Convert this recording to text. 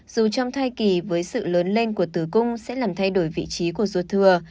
dù trong thai kỳ với sự lớn lên của tử cung sẽ làm thay đổi vị trí của ruột thừa